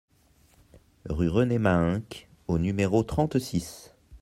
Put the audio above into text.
Rue René Mahinc au numéro trente-six